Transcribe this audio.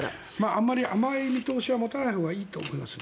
あまり甘い見通しは持たないほうがいいと思います。